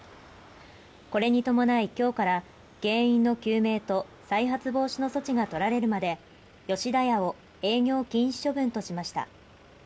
これに伴い今日から原因の究明と再発防止の措置がとられるまで、吉田屋を営業禁止処分としました。